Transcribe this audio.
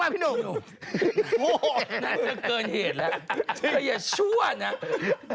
พี่หนุ่ม